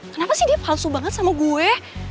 kenapa sih dia palsu banget sama gue